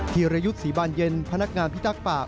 ีรยุทธ์ศรีบานเย็นพนักงานพิทักษ์ป่า